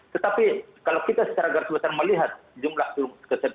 tetapi kalau kita secara garis besar melihat jumlah